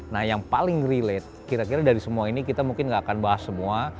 nah yang paling relate kira kira dari semua ini kita mungkin gak akan bahas semua